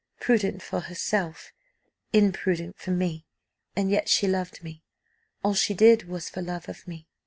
Prudent for herself, imprudent for me, and yet she loved me all she did was for love of me.